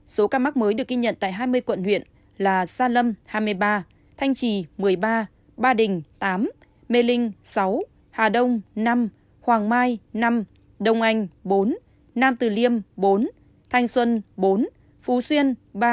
số ca mắc mới được ghi nhận tại hai mươi quận huyện là gia lâm hai mươi ba thanh trì một mươi ba ba đình tám mê linh sáu hà đông năm hoàng mai năm đông anh bốn nam từ liêm bốn thanh xuân bốn phú xuyên